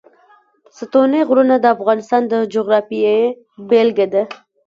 ستوني غرونه د افغانستان د جغرافیې بېلګه ده.